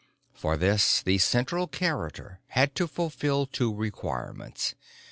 For this, the central character had to fulfill two requirements.